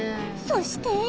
そして。